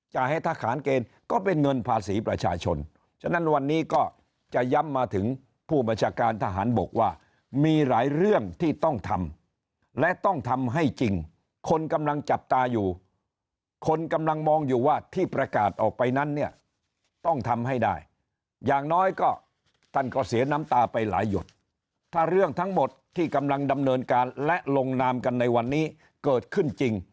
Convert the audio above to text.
จะให้ทหารเกณฑ์ก็เป็นเงินภาษีประชาชนฉะนั้นวันนี้ก็จะย้ำมาถึงผู้บัญชาการทหารบกว่ามีหลายเรื่องที่ต้องทำและต้องทำให้จริงคนกำลังจับตาอยู่คนกำลังมองอยู่ว่าที่ประกาศออกไปนั้นเนี่ยต้องทำให้ได้อย่างน้อยก็ท่านก็เสียน้ำตาไปหลายหยดถ้าเรื่องทั้งหมดที่กำลังดำเนินการและลงนามกันในวันนี้เกิดขึ้นจริง